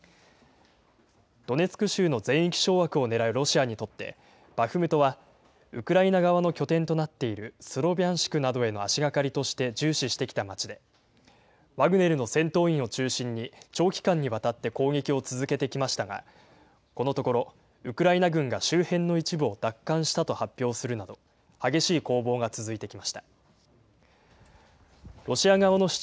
ドネツク州の全域掌握をねらうロシアにとって、バフムトはウクライナ側の拠点となっているスロビャンシクなどへの足がかりとして重視してきた街で、ワグネルの戦闘員を中心に長期間にわたって攻撃を続けてきましたが、このところ、ウクライナ軍が周辺の一部を奪還したと発表するなど、激しい攻防が続いてきました。